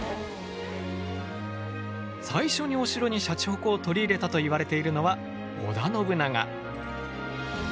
最初にお城にシャチホコを取り入れたといわれているのは織田信長。